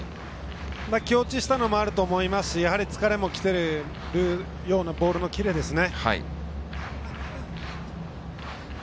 気落ちしたのもあると思いますし疲れもきているようなボールの切れですね。